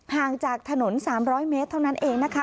ห่างจากถนน๓๐๐เมตรเท่านั้นเองนะคะ